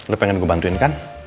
lo pengen gue bantuin kan